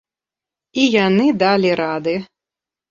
І яны далі рады.